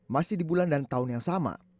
masih di bulan dan tahun yang sama